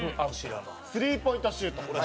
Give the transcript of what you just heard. スリーポイントシュート。